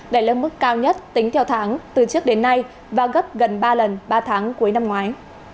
đẩy lên mức cao nhất tính theo tháng từ trước đến nay và gấp gần ba lần ba tháng cuối năm ngoái